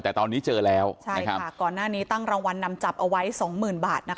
แต่ตอนนี้เจอแล้วใช่ค่ะก่อนหน้านี้ตั้งรางวัลนำจับเอาไว้สองหมื่นบาทนะคะ